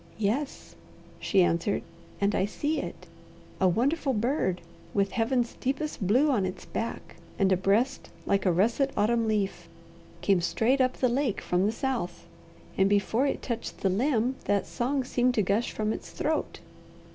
"Yes," she answered, "and I see it. A wonderful bird, with Heaven's deepest blue on its back and a breast like a russet autumn leaf, came straight up the lake from the south, and before it touched the limb that song seemed to gush from its throat."